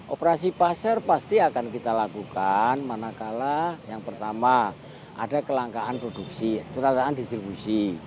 operasi pasar pasti akan kita lakukan manakala yang pertama ada kelangkaan produksi kelangkaan distribusi